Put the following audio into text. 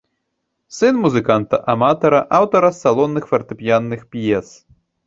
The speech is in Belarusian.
Сын музыканта-аматара, аўтара салонных фартэпіянных п'ес.